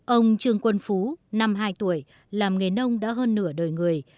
ông trương quân phú năm hai tuổi làm nghề nông đã hơn nửa đời người